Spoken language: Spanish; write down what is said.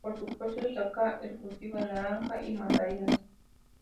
Por supuesto, destaca el cultivo de naranja y mandarinas.